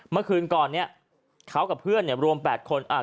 เมื่อคืนก่อนเนี่ยเขากับเพื่อนเนี่ย